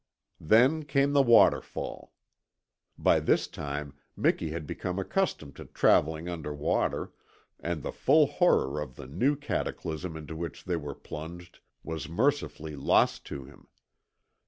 Then came the waterfall. By this time Miki had become accustomed to travelling under water, and the full horror of the new cataclysm into which they were plunged was mercifully lost to him.